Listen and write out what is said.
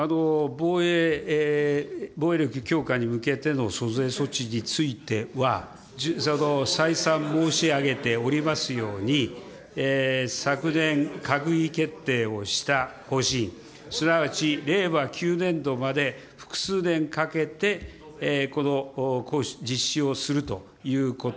防衛力強化に向けての租税措置については再三申し上げておりますように、昨年、閣議決定をした方針、すなわち令和９年度まで複数年かけて実施をするということ。